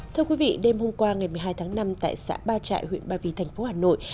thưa quý vị đêm hôm qua ngày một mươi hai tháng năm tại xã ba trại huyện ba vì thành phố hà nội